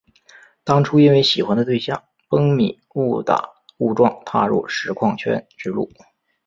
当初因为喜欢的对象蹦米误打误撞踏入实况圈之路。